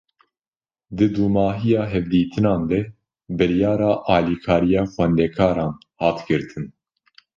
Di dûmahiya hevdîtinan de, biryara alîkariya xwendekaran hat girtin